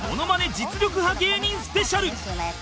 実力刃芸人スペシャル